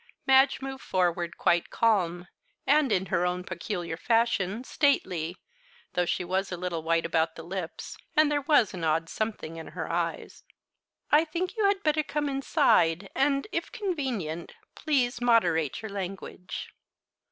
Madge moved forward, quite calm, and, in her own peculiar fashion, stately, though she was a little white about the lips, and there was an odd something in her eyes. "I think you had better come inside and, if convenient, please moderate your language."